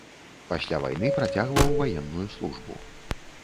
Пасля вайны працягваў ваенную службу.